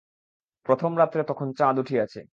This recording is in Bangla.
প্রথম রাত্রে তখন চাঁদ উঠিয়াছে।